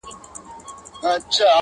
له هوا یوه کومول کښته کتله!.